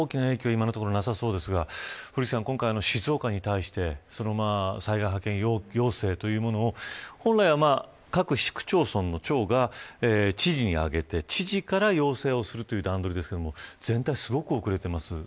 今のところなさそうですが古市さん、今回の静岡に対して災害派遣要請というものを本来は各市区町村の長が知事に上げて知事から要請するという段取りですが全体、すごく遅れています。